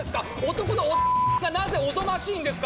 男のがなぜおぞましいんですか？」